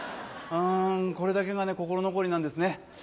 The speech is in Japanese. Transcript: これだけが心残りなんですね。